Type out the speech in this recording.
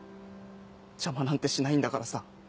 邪魔なんてしないんだからさ。